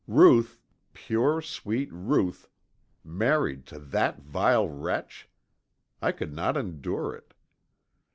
Ruth, pure, sweet Ruth, married to that vile wretch! I could not endure it.